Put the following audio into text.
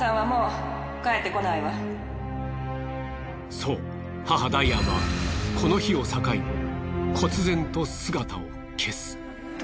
そう母ダイアンはこの日を境にこつ然と姿を消す。